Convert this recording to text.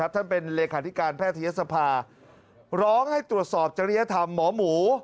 ท่านเป็นเลขาธิการแพทยศภาร้องให้ตรวจสอบจริยธรรมหมอหมู